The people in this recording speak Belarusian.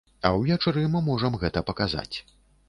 А ўвечары мы можам гэта паказаць.